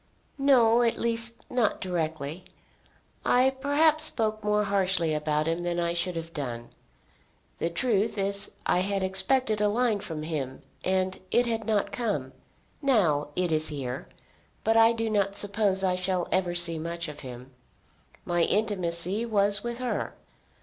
"No; at least, not directly. I perhaps spoke more harshly about him than I should have done. The truth is I had expected a line from him, and it had not come. Now it is here; but I do not suppose I shall ever see much of him. My intimacy was with her.